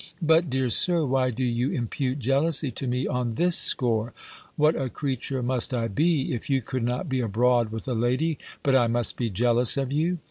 "But, dear Sir, why do you impute jealousy to me on this score? What a creature must I be, if you could not be abroad with a lady, but I must be jealous of you?